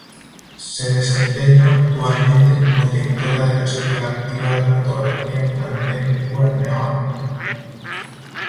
Se desempeña actualmente como directora de la Escuela Activa de Fotografía plantel Cuernavaca.